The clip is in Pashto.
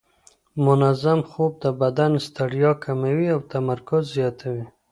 منظم خوب د بدن ستړیا کموي او تمرکز زیاتوي.